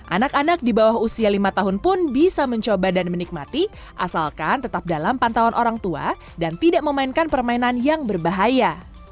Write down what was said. anak anak di bawah usia lima tahun pun bisa mencoba dan menikmati asalkan tetap dalam pantauan orang tua dan tidak memainkan permainan yang berbahaya